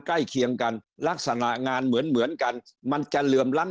ใกล้เคียงกันลักษณะงานเหมือนเหมือนกันมันจะเหลื่อมล้ำ